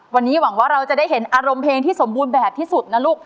วันนี้หวังว่าเราจะได้เห็นอารมณ์เพลงที่สมบูรณ์แบบที่สุดนะลูก